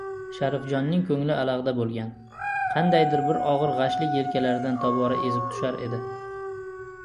Sharifjonning koʻngli alagʻda boʻlgan, qandaydir bir ogʻir gʻashlik yelkalaridan tobora ezib tushar edi.